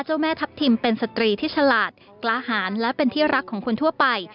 เจ้าแม่ทัพทิมเป็นสตรีชะลัดกระหารและเป็นที่รักคนทั่วไป